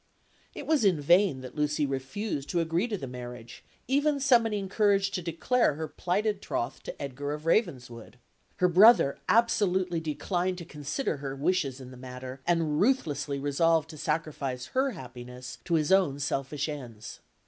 It was in vain that Lucy refused to agree to the marriage, even summoning courage to declare her plighted troth to Edgar of Ravenswood; her brother absolutely declined to consider her wishes in the matter, and ruthlessly resolved to sacrifice her happiness to his own selfish ends.